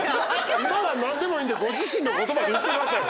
今は何でもいいんでご自身の言葉で言ってください。